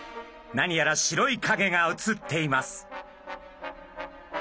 何やら白いかげが映っています。